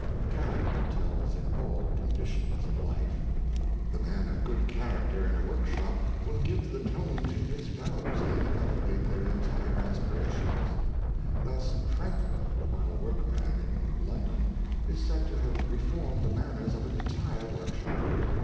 Character tells in all conditions of life. The man of good character in a workshop will give the tone to his Power of Goodness, 129 fellows, and elevate their entire aspirations. Thus Franklin, while a workman in London, is said to have reformed the manners of an entire workshop.